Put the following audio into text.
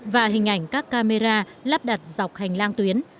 và hình ảnh các camera lắp đặt dọc hành lang tuyến